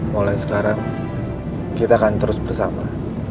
mulai sekarang kita akan terus bersama